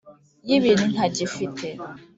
y'ibintu ntagifite ...